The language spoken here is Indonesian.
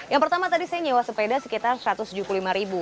yang pertama tadi saya nyewa sepeda sekitar satu ratus tujuh puluh lima ribu